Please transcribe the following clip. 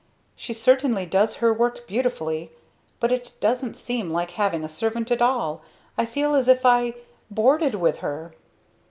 She certainly does her work beautiful, but it doesn't seem like having a servant at all. I feel as if I boarded with her!"